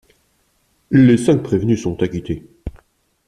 Les cinq prévenus sont acquittés.